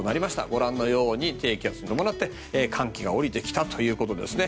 ご覧のように低気圧を伴って寒気が降りてきたということですね。